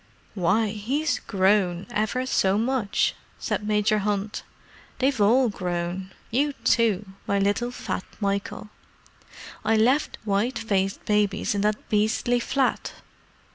"Why, he's grown—ever so much!" said Major Hunt. "They've all grown; you too, my little fat Michael. I left white faced babies in that beastly flat.